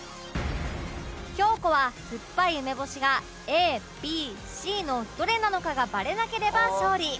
京子は酸っぱい梅干しが ＡＢＣ のどれなのかがバレなければ勝利